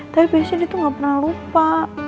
tapi biasanya dia tuh gak pernah lupa